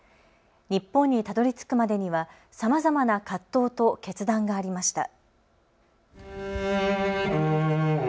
日本にたどりつくまでには、さまざまな葛藤と決断がありました。